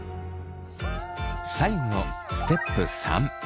最後のステップ３。